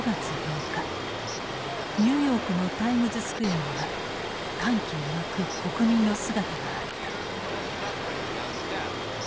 ニューヨークのタイムズスクエアには歓喜に沸く国民の姿があった。